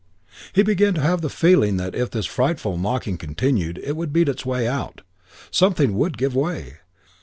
He began to have the feeling that if this frightful knocking continued it would beat its way out. Something would give way.